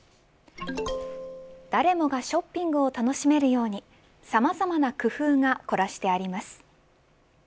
誰もがショッピングを楽しめるようにさまざまな工夫が凝らしてあります。